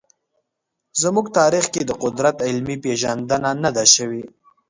زموږ تاریخ کې د قدرت علمي پېژندنه نه ده شوې.